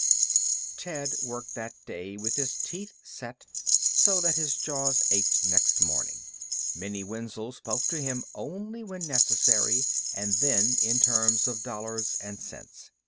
Ted worked that day with his teeth set so that his jaws ached next morning. Minnie Wenzel spoke to him only when necessary and then in terms of dollars and cents.